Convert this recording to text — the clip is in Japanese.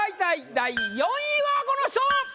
第４位はこの人！